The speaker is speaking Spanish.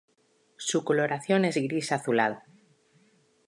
Su coloración es gris azulado.